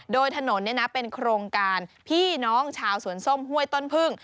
โดยถนนเป็นโครงการพี่น้องชาวสวนส้มห้วยต้นพึ่ง